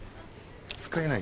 使えない？